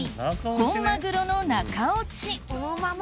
本マグロの中落ち